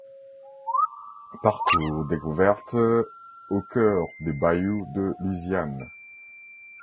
Parcours découverte au cœur des Bayous de Louisiane.